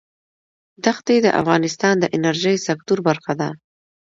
دښتې د افغانستان د انرژۍ سکتور برخه ده.